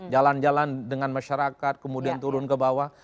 jalan jalan dengan masyarakat kemudian turun ke bawah